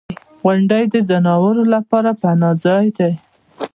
• غونډۍ د ځناورو لپاره پناه ځای دی.